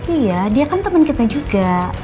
iya dia kan teman kita juga